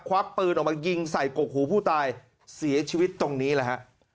วักปืนออกมายิงใส่กกหูผู้ตายเสียชีวิตตรงนี้แหละฮะ